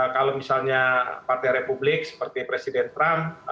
kalau misalnya partai republik seperti presiden trump